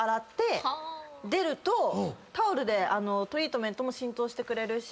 タオルでトリートメントも浸透してくれるし。